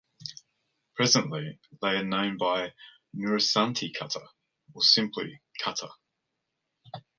Presently they are known by "Nuristani Kata" or simply "Kata".